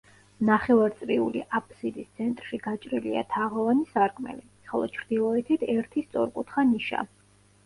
ნახევარწრიული აბსიდის ცენტრში გაჭრილია თაღოვანი სარკმელი, ხოლო ჩრდილოეთით ერთი სწორკუთხა ნიშა.